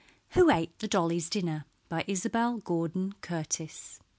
WHO ATE THE DOLLY'S DINNER? BY ISABEL GORDON CURTIS.